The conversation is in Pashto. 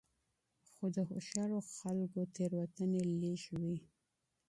خو د هوښیارو خلکو تېروتنې کمې وي.